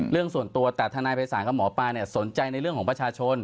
เรื่องส่วนตัวแต่ทนายภัยศาลกับหมอปลาเนี่ยสนใจในเรื่องของประชาชน